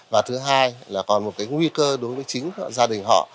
và thứ hai là còn một cái nguy cơ đối với chính gia đình họ